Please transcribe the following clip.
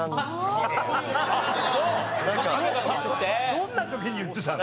どんな時に言ってたの？